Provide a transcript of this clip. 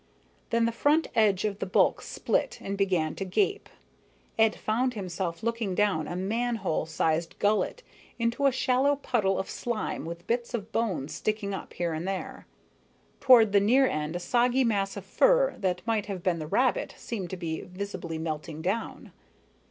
Then the front edge of the bulk split and began to gape. Ed found himself looking down a manhole sized gullet into a shallow puddle of slime with bits of bone sticking up here and there. Toward the near end a soggy mass of fur that might have been the rabbit seemed to be visibly melting down.